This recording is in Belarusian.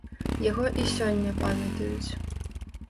Яго і сёння памятаюць.